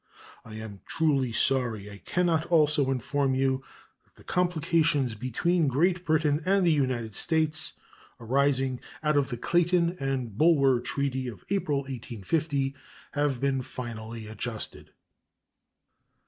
I am truly sorry I can not also inform you that the complications between Great Britain and the United States arising out of the Clayton and Bulwer treaty of April, 1850, have been finally adjusted.